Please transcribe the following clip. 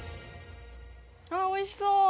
あっおいしそう。